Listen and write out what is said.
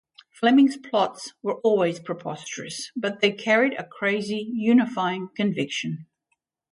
Fleming's plots were always preposterous, but they carried a crazy, unifying conviction.